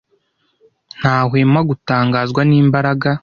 Ntahwema gutangazwa n'imbaraga